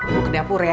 gue ke dapur ya